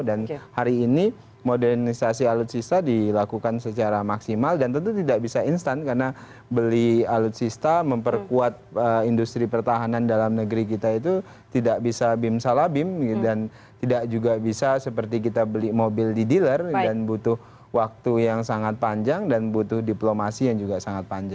dan hari ini modernisasi alutsista dilakukan secara maksimal dan tentu tidak bisa instan karena beli alutsista memperkuat industri pertahanan dalam negeri kita itu tidak bisa bim salah bim dan tidak juga bisa seperti kita beli mobil di dealer dan butuh waktu yang sangat panjang dan butuh diplomasi yang juga sangat panjang